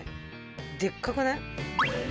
でっかくない？